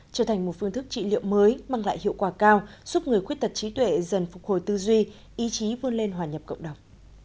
trở thành một phương thức trị liệu mới mang lại hiệu quả cao giúp người khuyết tật trí tuệ dần phục hồi tư duy ý chí vươn lên hòa nhập cộng đồng